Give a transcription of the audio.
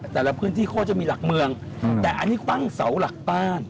แต่ละพื้นที่เขาจะมีหลักเมืองแต่อันนี้ตั้งเสาหลักบ้าน